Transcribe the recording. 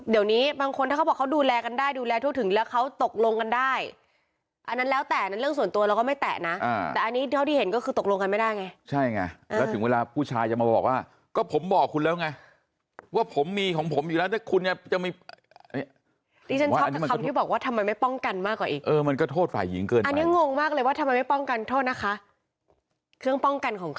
เดี๋ยวนี้บางคนถ้าเขาบอกเขาดูแลกันได้ดูแลทั่วถึงแล้วเขาตกลงกันได้อันนั้นแล้วแต่นั่นเรื่องส่วนตัวเราก็ไม่แตะนะแต่อันนี้เท่าที่เห็นก็คือตกลงกันไม่ได้ไงใช่ไงแล้วถึงเวลาผู้ชายจะมาบอกว่าก็ผมบอกคุณแล้วไงว่าผมมีของผมอยู่แล้วแต่คุณจะไม่ดิฉันชอบคำที่บอกว่าทำไมไม่ป้องกันมากกว่าอีกเออมันก็โท